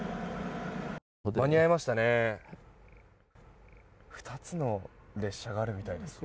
間に合いましたね。